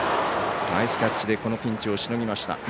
ナイスキャッチでこのピンチをしのぎました。